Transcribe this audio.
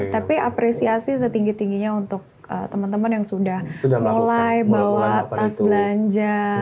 tapi apresiasi setinggi tingginya untuk teman teman yang sudah mulai bawa tas belanja